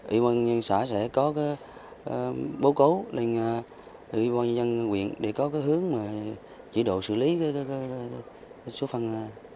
ủy quan nhân dân xã sẽ có bố cố lên ủy quan nhân dân nguyện để có cái hướng chỉ đồ xử lý số phăng